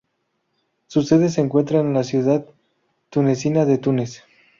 Su sede se encuentra en la ciudad tunecina de Túnez.